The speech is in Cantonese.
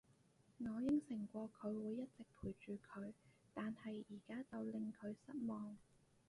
我應承過佢會一直陪住佢，但係而家就令佢失望